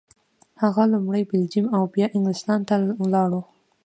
هغه لومړی بلجیم او بیا انګلستان ته ولاړ.